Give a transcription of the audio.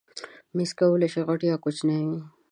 مېز کولی شي غټ یا کوچنی وي.